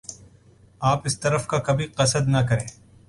آپ اس طرف کا کبھی قصد نہ کریں ۔